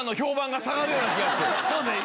そうですね。